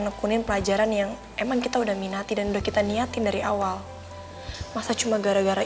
nekunin pelajaran yang emang kita udah minati dan udah kita niatin dari awal masa cuma gara gara